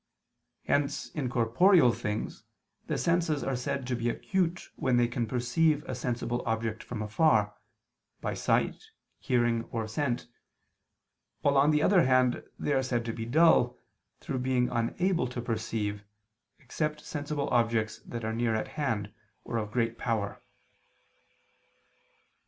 Hence in corporeal things the senses are said to be acute when they can perceive a sensible object from afar, by sight, hearing, or scent, while on the other hand they are said to be dull, through being unable to perceive, except sensible objects that are near at hand, or of great power.